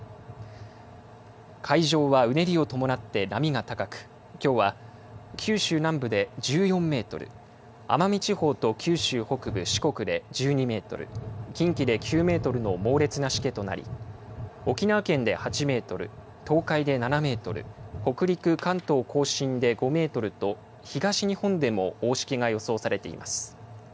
海上はうねりを伴って波が高く、きょうは九州南部で１４メートル、奄美地方と九州北部、四国で１２メートル、近畿で９メートルの猛烈なしけとなり、沖縄県で８メートル、東海で７メートル、北陸、関東甲信で５メートルと、東日本でも大しけが予想されています。